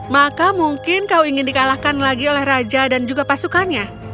maka mungkin kau ingin dikalahkan lagi oleh raja dan juga pasukannya